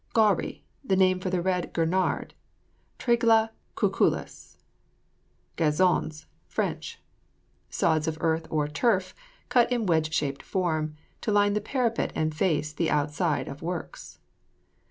GAWRIE. A name for the red gurnard; Trigla cuculus. GAZONS [Fr.] Sods of earth or turf, cut in wedge shaped form, to line the parapet and face the outside of works.